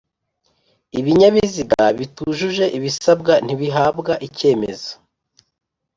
Ibinyabiziga bitujuje ibisabwa ntibihabwa icyemezo